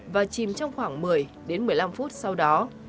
và chìm trong khoảng một mươi đến một mươi năm phút sau đó